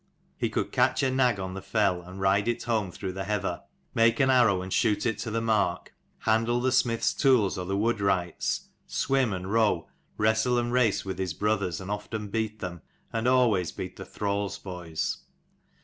He could catch a nag on the fell, and ride it home through the heather; make an arrow, and shoot it to the mark: handle the smith's tools or the woodwright's : swim, and row, wrestle and race with his brothers, and often beat them, and always beat the thralls' boys.